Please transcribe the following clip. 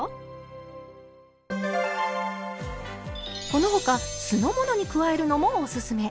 この他酢の物に加えるのもおすすめ。